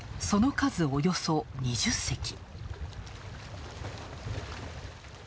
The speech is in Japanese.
その数、およそ２０隻。